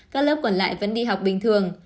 các lớp còn lại vẫn đi học bình thường